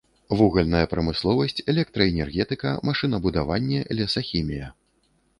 Вугальная прамысловасць, электраэнергетыка, машынабудаванне, лесахімія.